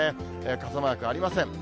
傘マークありません。